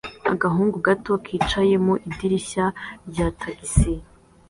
Agahungu gato kicaye mu idirishya rya tagisi